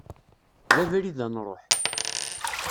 D abrid ad nruḥ.